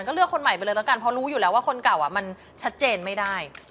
ก็เลือกคนใหม่ไปเลยแล้วกันเพราะรู้อยู่แล้วว่าคนเก่ามันชัดเจนไม่ได้